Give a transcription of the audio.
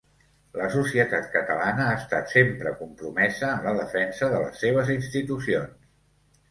La societat catalana ha estat sempre compromesa en la defensa de les seves institucions.